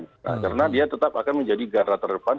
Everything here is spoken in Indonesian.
karena dia tetap akan menjadi garah terdepan